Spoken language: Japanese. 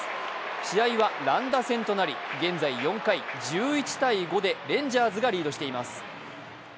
試合は乱打戦となり現在４回、１１−５でレンジャーズがリードしています。